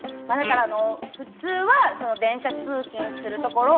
普通は電車通勤するところを、